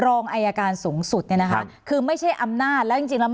รองอายการสูงสุดเนี่ยนะคะคือไม่ใช่อำนาจแล้วจริงจริงแล้ว